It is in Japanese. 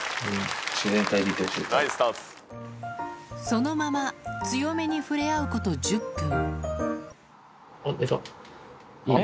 そのまま強めに触れ合うこと１０分あっ寝たいいね。